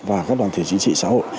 và các đoàn thể chính trị xã hội